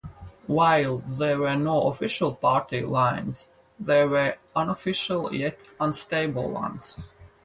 While there were no official party lines, there were unofficial yet unstable ones.